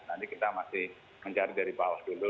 nanti kita masih mencari dari bawah dulu